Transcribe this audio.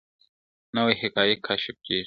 نوي حقایق کشف کیږي.